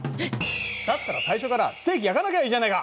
だったら最初からステーキ焼かなきゃいいじゃないか。